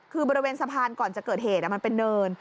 คือบริเวณสะพานก่อนจะเกิดเหตุมันเป็นเนิน